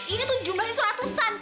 ini tuh jumlahnya ratusan